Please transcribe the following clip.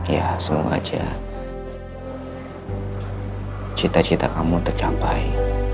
ya semoga aja cita cita kamu tercapai